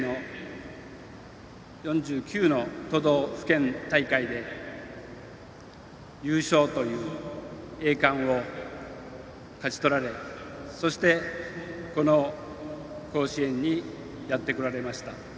４９の都道府県大会で優勝という栄冠を勝ち取られそして、この甲子園にやって来られました。